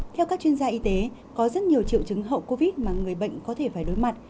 theo các chuyên gia y tế có rất nhiều triệu chứng hậu covid mà người bệnh có thể phải đối mặt